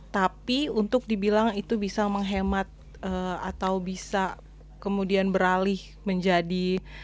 tapi untuk dibilang itu bisa menghemat atau bisa kemudian beralih menjadi